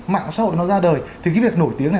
mạng xã hội nó ra đời thì cái việc nổi tiếng này